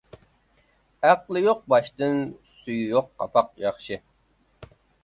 ئەقلى يوق باشتىن سۈيى يوق قاپاق ياخشى.